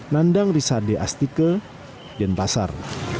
nandang risade astike dan pasar